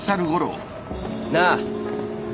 なあ。